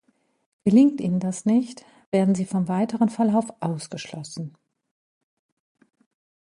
Gelingt ihnen das nicht, werden sie vom weiteren Verlauf ausgeschlossen.